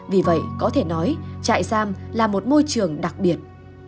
vì vậy có thể nói trại giam là một môi trường đặc biệt